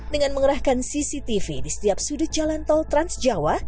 dengan mengerahkan cctv di setiap sudut jalan tol transjawa